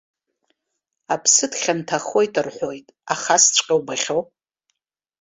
Аԥсы дхьанҭахоит рҳәауеит, аха асҵәҟьа убахьоу!